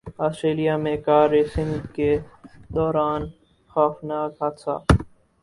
Australia میں car racing کے دوران خوفناک حادثہ